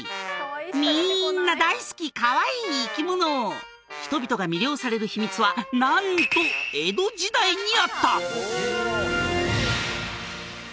みんな大好きかわいい生き物人々が魅了される秘密はなんと江戸時代にあった！